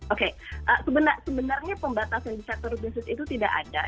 oke sebenarnya pembatasan di sektor bisnis itu tidak ada